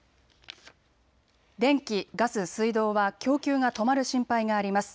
電気、ガス、水道は供給が止まる心配があります。